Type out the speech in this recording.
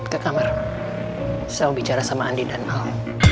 saya mau bicara sama andi dan mal